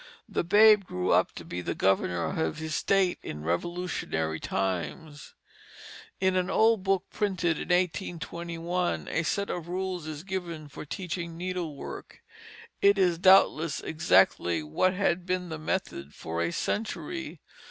The babe grew up to be the governor of his state in Revolutionary times. In an old book printed in 1821, a set of rules is given for teaching needlework, and it is doubtless exactly what had been the method for a century.